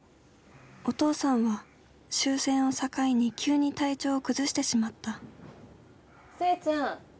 お父さんは終戦を境に急に体調を崩してしまった聖ちゃん